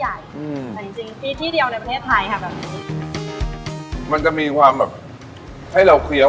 แต่จริงจริงมีที่เดียวในประเทศไทยค่ะแบบนี้มันจะมีความแบบให้เราเคี้ยว